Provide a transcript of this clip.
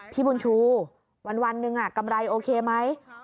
พี่บุญชูวันหนึ่งกำไรโอเคไหม